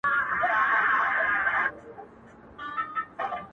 دا له هغه مرورو مرور دی _